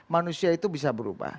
manusia itu bisa berubah